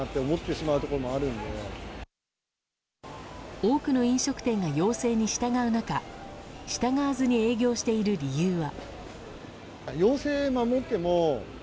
多くの飲食店が要請に従う中従わずに営業している理由は。